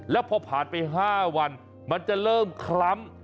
แล้วพอผ่านไป๕วันมันจะเริ่มคล้ำ